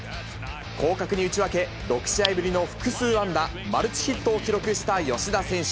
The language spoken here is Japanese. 広角に打ち分け、６試合ぶりの複数安打、マルチヒットを記録した吉田選手。